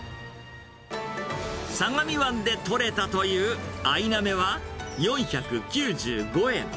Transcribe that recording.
相模湾で取れたというアイナメは４９５円。